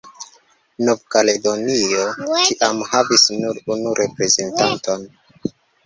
Nov-Kaledonio tiam havis nur unu reprezentanton.